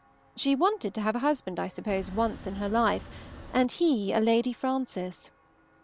She wanted to have a husband, I suppose, once in her life, and he a Lady Frances.